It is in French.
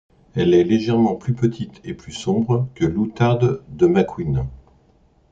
Elle est légèrement plus petite et plus sombre que l'outarde de Macqueen.